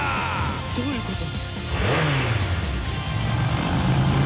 どういうこと？